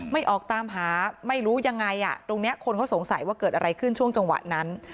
ไม่ออกตามหาไม่รู้ยังไงอ่ะตรงนี้คนเขาสงสัยว่าเกิดอะไรขึ้นช่วงจังหวะนั้น